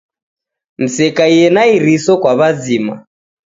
Msekaie na iriso kwa w'azima